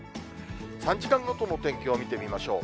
３時間ごとのお天気を見てみましょう。